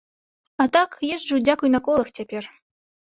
А так, езджу, дзякуй на колах цяпер.